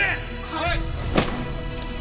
はい！